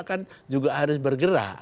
kan juga harus bergerak